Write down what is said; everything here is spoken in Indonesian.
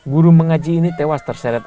guru mengaji ini tewas terseret